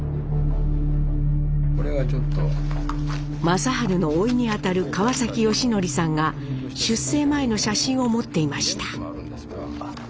正治のおいにあたる川祥記さんが出征前の写真を持っていました。